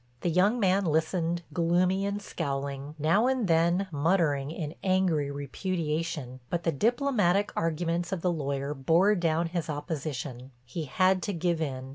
The young man listened, gloomy and scowling, now and then muttering in angry repudiation. But the diplomatic arguments of the lawyer bore down his opposition; he had to give in.